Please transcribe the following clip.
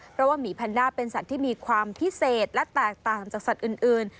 เพราะว่าหมีแพนด้าเป็นสัตว์ที่มีความพิเศษและแตกต่างจากสัตว์อื่น